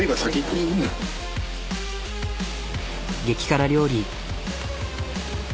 激辛料理。